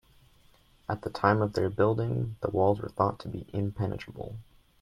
At the time of their building, the walls were thought to be impenetrable.